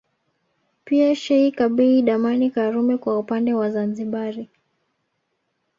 Pia Sheikh Abeid Amani Karume kwa upande wa Zanzibari